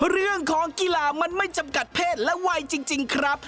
เรื่องของกีฬามันไม่จำกัดเพศและวัยจริงครับ